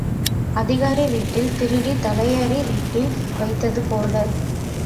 அதிகாரி வீட்டில் திருடித் தலையாரி வீட்டில் வைத்தது போல.